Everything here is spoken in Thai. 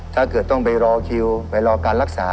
ถ้าเกิดต้องไปรอคิวไปรอการรักษา